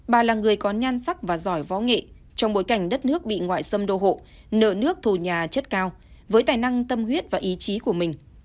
bà là người có nhan sắc và giỏi võ nghệ trong bối cảnh đất nước bị ngoại xâm đô hộ nợ nước thù nhà chất cao với tài năng tâm huyết và ý chí của mình